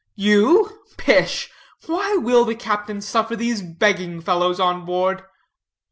"You pish! Why will the captain suffer these begging fellows on board?"